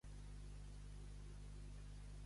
Ser repelós a.